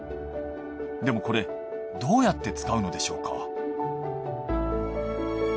でもこれどうやって使うのでしょうか？